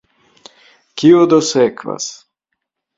Kio do sekvas?